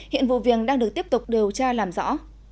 hiện vụ viện đang được tiếp tục điều tra làm rõ